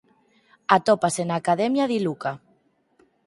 Atópase na Academia di Luca.